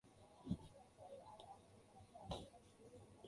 秉公行義使義人喜樂，使作孽的人敗壞